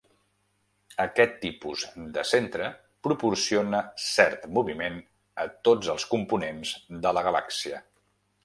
Aquest tipus de centre proporciona cert moviment a tots els components de la galàxia.